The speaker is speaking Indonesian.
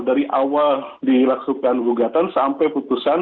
dari awal dilaksukan gugatan sampai putusan